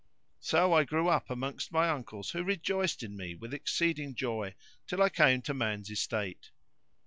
So I grew up amongst my uncles who rejoiced in me with exceeding joy, till I came to man's estate.